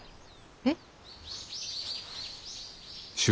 えっ？